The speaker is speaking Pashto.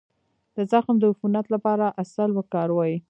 د زخم د عفونت لپاره عسل وکاروئ